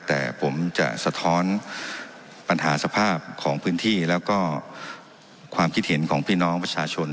แต่ผมจะสะท้อนปัญหาสภาพของพื้นที่แล้วก็ความคิดเห็นของพี่น้องประชาชน